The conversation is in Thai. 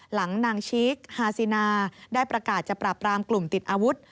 หลังนางชีคฮาซินาได้ประกาศจะปรับรามกลุ่มติดอาวุธ